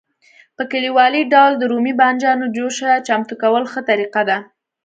په کلیوالي ډول د رومي بانجانو جوشه چمتو کول ښه طریقه ده.